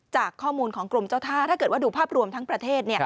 จากข้อมูลของกรมเจ้าท่าถ้าเกิดว่าดูภาพรวมทั้งประเทศ